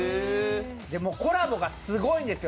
コラボがすごいんですよ。